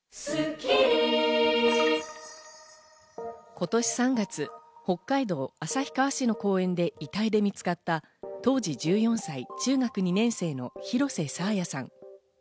今年３月、北海道旭川市の公園で遺体で見つかった当時１４歳、中学２年生の廣瀬爽彩さん。